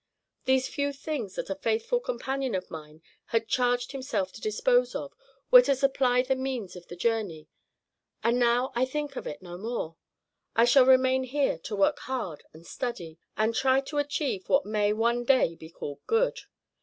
These few things that a faithful companion of mine had charged himself to dispose of, were to supply the means of the journey; and now I think of it no more. I shall remain here to work hard and study, and try to achieve what may one day be called good.